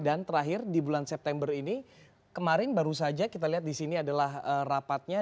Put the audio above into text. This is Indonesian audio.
dan terakhir di bulan september ini kemarin baru saja kita lihat disini adalah rapatnya